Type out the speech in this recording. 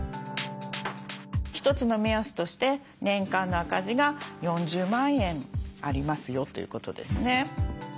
一つの目安として年間の赤字が４０万円ありますよということですね。